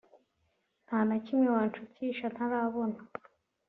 nta na kimwe wanshukisha ntarabona